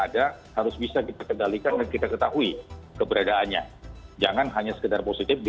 ada harus bisa kita kendalikan dan kita ketahui keberadaannya jangan hanya sekedar positif di